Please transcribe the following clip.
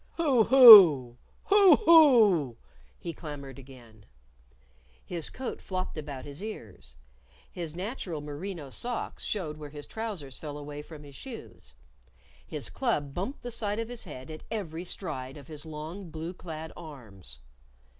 _ "Hoo! hoo! Hoo! hoo!" he clamored again. His coat flopped about his ears. His natural merino socks showed where his trousers fell away from his shoes. His club bumped the side of his head at every stride of his long blue clad arms.